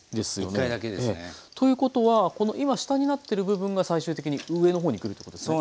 １回だけですね。ということは今下になってる部分が最終的に上の方にくるということですね？